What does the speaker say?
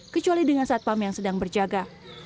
kecuali dengan saat pam yang sedang berjaga